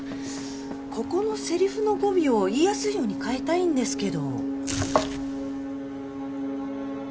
ここのせりふの語尾を言いやすいように変えたいんですけど。